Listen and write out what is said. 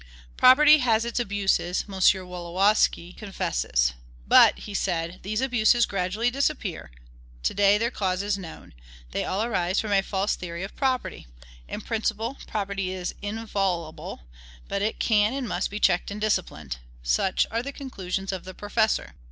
Property has its abuses, M. Wolowski confesses. "But," he says, "these abuses gradually disappear. To day their cause is known. They all arise from a false theory of property. In principle, property is inviolable, but it can and must be checked and disciplined." Such are the conclusions of the professor.